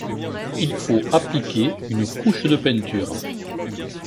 il faut appliquer une couche de peinture